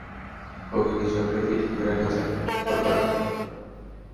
ওকে কিছু একটা দিয়ে ঢেকে রাখা দরকার।